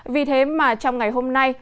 vì thế mà trong ngày hôm nay